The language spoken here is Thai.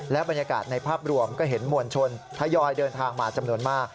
และบรรยากาศในภาพรวมก็เห็นมวลชนทยอยเดินทางมาจำนวนมาก